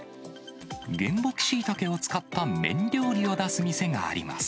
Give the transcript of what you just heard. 原木シイタケを使った麺料理を出す店があります。